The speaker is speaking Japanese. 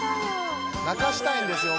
泣かしたいんですよ